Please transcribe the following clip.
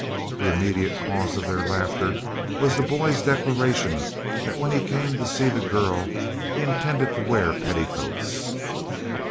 The immediate cause of their laughter was the boy's declaration that when he came to see the girl he intended to wear petticoats.